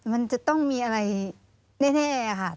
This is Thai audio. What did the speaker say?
มันจะต้องมีอะไรแน่ค่ะ